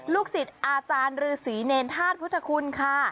ลูกศิษย์อาจารย์หรือศรีเนรทาสพุทธคุณค่ะ